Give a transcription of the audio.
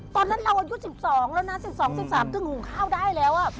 ตอนนั้นเราอายุ๑๒แล้วนะ๑๒๑๓จึงหุงข้าวได้แล้ว